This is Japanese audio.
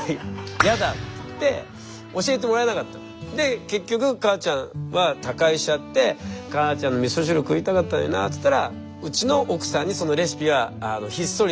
で結局母ちゃんは他界しちゃって「母ちゃんのみそ汁食いたかったのにな」って言ったらうちの奥さんにそのレシピはひっそりと継がれていて。